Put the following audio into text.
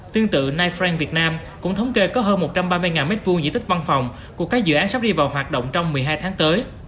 tương tự nifran việt nam cũng thống kê có hơn một trăm ba mươi m hai diện tích văn phòng của các dự án sắp đi vào hoạt động trong một mươi hai tháng tới